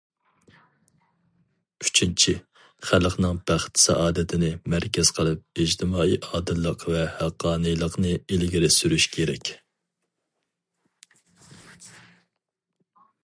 ئۈچىنچى، خەلقنىڭ بەخت- سائادىتىنى مەركەز قىلىپ ئىجتىمائىي ئادىللىق ۋە ھەققانىيلىقنى ئىلگىرى سۈرۈش كېرەك.